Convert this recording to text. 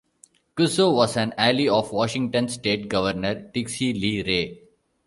Guzzo was an ally of Washington state governor Dixy Lee Ray.